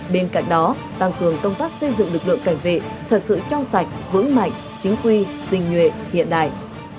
bên cạnh đó tăng cường công tác xây dựng lực lượng cảnh vệ thật sự trong sạch vững mạnh chính quy tình nguyện hiện đại